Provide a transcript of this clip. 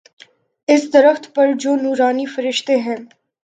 اس درخت پر جو نوارنی فرشتے ہیں۔